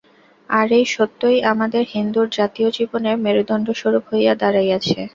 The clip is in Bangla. আর এই সত্যই আমাদের হিন্দুর জাতীয় জীবনের মেরুদণ্ডস্বরূপ হইয়া দাঁড়াইয়াছে।